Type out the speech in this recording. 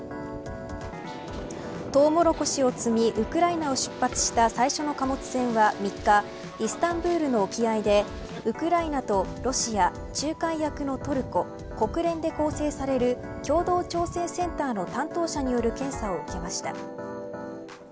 トウモロコシを積みウクライナを出発した最初の貨物船は、３日イスタンブールの沖合でウクライナとロシア仲介役のトルコ国連で構成される共同調整センターの担当者による検査を受けました。